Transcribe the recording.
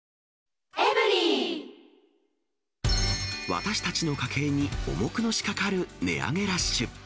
私たちの家計に重くのしかかる値上げラッシュ。